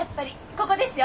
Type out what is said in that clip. ここですよ！